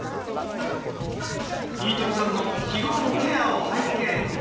飯富さんの日頃のケアを拝見。